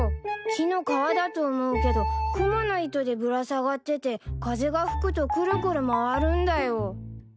木の皮だと思うけどクモの糸でぶら下がってて風が吹くとくるくる回るんだよ。